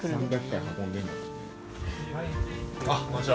あっこんにちは。